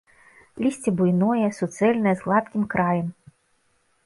Лісце буйное, суцэльнае, з гладкім краем.